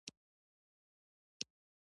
شېرګل له مستو غوړپ وکړ.